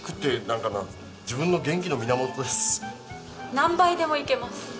何杯でもいけます。